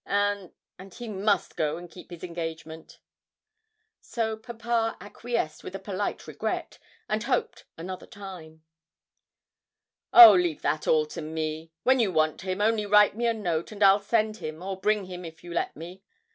and and he must go and keep his engagement.' So papa acquiesced with a polite regret, and hoped another time. 'Oh, leave all that to me. When you want him, only write me a note, and I'll send him or bring him if you let me.